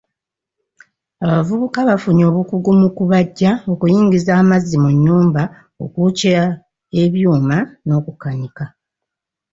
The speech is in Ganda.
Abavubuka bafunye obukugu mu kubajja, okuyingiza amazzi mu nnyumba, okwokya ebyuma n'okukanika.